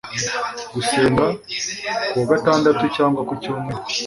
Gusenga kuwa Gatandatu cg ku Cyumweru